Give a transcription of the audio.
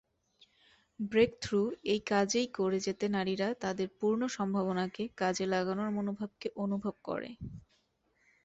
Breakthrough এই কাজই করে যাতে নারীরা তাদের পূর্ণ সম্ভাবনাকে কাজে লাগানোর মনোভাবকে অনুভব করে।